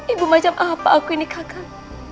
ibu macam apa aku ini kakak